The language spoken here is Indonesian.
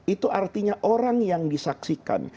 itu artinya orang yang disaksikan